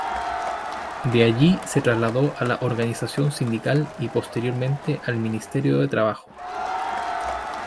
De allí se trasladó a la Organización Sindical y posteriormente al Ministerio de Trabajo.